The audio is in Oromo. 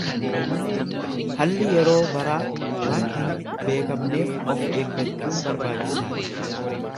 Halli yeroo, baraa waan hin beekamneef of eeggachuun barbaachisaadha.